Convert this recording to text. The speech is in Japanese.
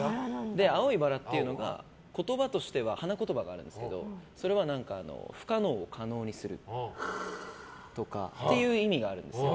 青いバラっていうのが花言葉があるんですけどそれは、不可能を可能にするっていう意味があるんですよ。